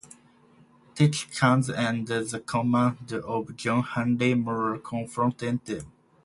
Texians under the command of John Henry Moore confronted them.